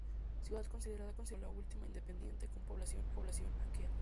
Ciudad considerada como la última independiente con población aquea.